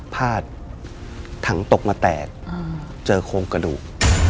พาดถังตกมาแตกเจอโครงกระดูก